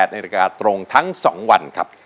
นาฬิกาตรงทั้ง๒วันครับ